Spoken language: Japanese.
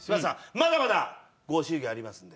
まだまだご祝儀ありますので。